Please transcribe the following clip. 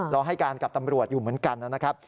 ให้การกับตำรวจอยู่เหมือนกันนะครับ